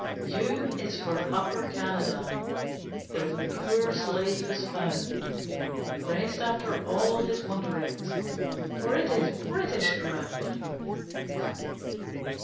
U U is for Upper Canada, Where the poor slave has found Rest after all his wanderings, For it is British ground!